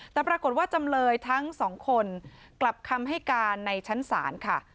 แต่ปรากฏว่าจำเลยทั้งสองคนกลับคำให้การในชั้นศาลค่ะ